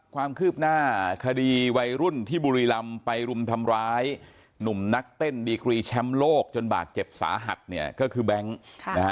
ความคืบหน้าคดีวัยรุ่นที่บุรีรำไปรุมทำร้ายหนุ่มนักเต้นดีกรีแชมป์โลกจนบาดเจ็บสาหัสเนี่ยก็คือแบงค์ค่ะนะฮะ